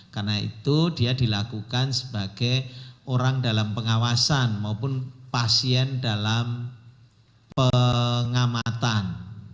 karena itu dia dilakukan sebagai orang dalam pengawasan maupun pasien dalam pengamatan